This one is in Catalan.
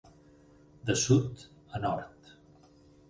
De sud a nord.